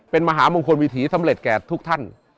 เป็นมหามงคลวิถีสำเร็จแก่ทุกท่าน